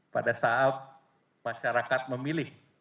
pada saat masyarakat memilih